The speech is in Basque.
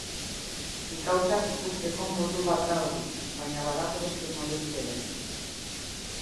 Gauzak ikusteko modu bat da hori, baina badago beste modurik ere.